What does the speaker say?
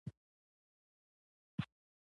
کله چې سوداګرۍ پراختیا پیدا کړه بانکونه ډېر شول